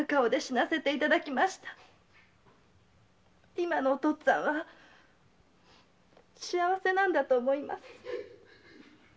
今のお父っつぁんは幸せなんだと思います。